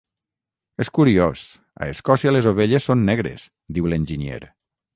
És curiós, a Escòcia les ovelles són negres –diu l'enginyer.